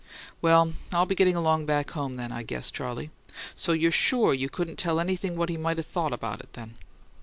"Well, I'll be getting along back home then, I guess, Charley. So you're sure you couldn't tell anything what he might have thought about it, then?"